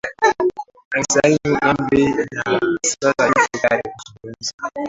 amesalimu amri na sasa yupo tayari kuzungumza